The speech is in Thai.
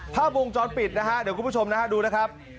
ภาพวงจรปิดนะฮะเดี๋ยวคุณผู้ชมนะฮะดูนะครับ